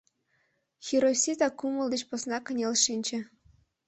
Хиросита кумыл деч посна кынел шинче.